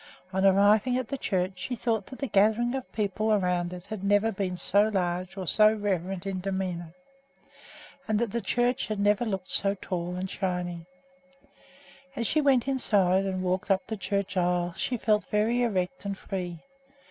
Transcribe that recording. On arriving at the church she thought that the gathering of people around it had never been so large or so reverent in demeanor, and that the church had never looked so tall and shining. As she went inside and walked up the church aisle she felt very erect and free.